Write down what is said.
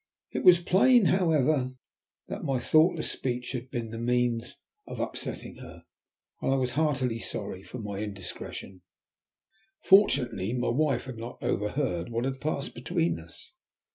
It was plain, however, that my thoughtless speech had been the means of upsetting her, and I was heartily sorry for my indiscretion. Fortunately my wife had not overheard what had passed between us.